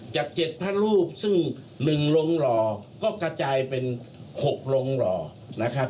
จาก๗พระรูปซึ่ง๑ลงหล่อก็กระจายเป็น๖โรงหล่อนะครับ